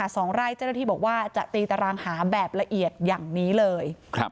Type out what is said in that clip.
สองไร่เจ้าหน้าที่บอกว่าจะตีตารางหาแบบละเอียดอย่างนี้เลยครับ